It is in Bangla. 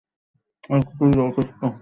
এইটুক জায়গায় যথেষ্ট।